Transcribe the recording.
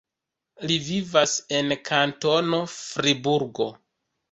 Li vivas en Kantono Friburgo.